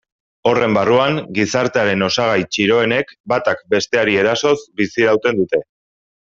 Horren barruan, gizartearen osagai txiroenek batak besteari erasoz bizirauten dute.